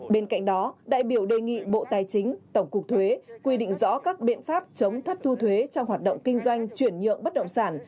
bên cạnh đó đại biểu đề nghị bộ tài chính tổng cục thuế quy định rõ các biện pháp chống thất thu thuế trong hoạt động kinh doanh chuyển nhượng bất động sản